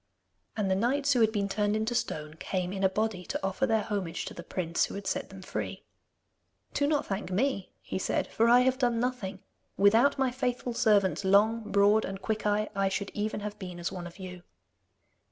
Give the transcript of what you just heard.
And the knights who had been turned into stone came in a body to offer their homage to the prince who had set them free. 'Do not thank me,' he said, 'for I have done nothing. Without my faithful servants, Long, Broad, and Quickeye, I should even have been as one of you.